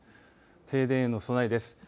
停電への備えです。